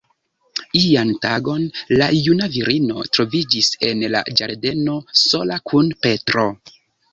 Ian tagon, la juna virino troviĝis en la ĝardeno, sola kun Petro.